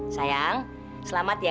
sayang selamat ya